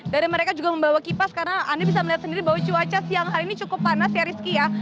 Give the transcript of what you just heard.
dari mereka juga membawa kipas karena anda bisa melihat sendiri bahwa cuaca siang hari ini cukup panas ya rizky ya